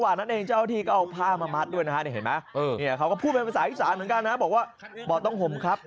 วิ่งไกลนะนี่ไงครับนะครับ